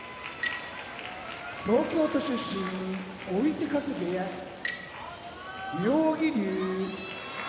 東京都出身追手風部屋妙義龍